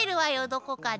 どこかで。